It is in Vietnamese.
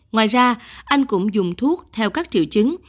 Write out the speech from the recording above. ngoài ra anh cũng dùng thuốc theo các triệu chứng